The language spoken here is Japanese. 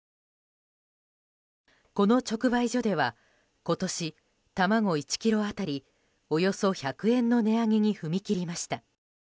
この直売所では今年卵１ｋｇ当たりおよそ１００円の値上げに踏み切りました。